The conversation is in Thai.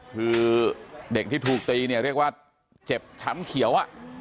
คือเด็กที่ถูกตีเนี่ยเรียกว่าเจ็บช้ำเขียว